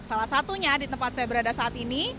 salah satunya di tempat saya berada saat ini